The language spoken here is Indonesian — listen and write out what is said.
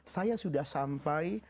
saya sudah sampai